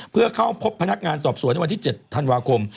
เพื่อเข้าพบพนักงานสอบสวนในวันที่๗ธันวาคม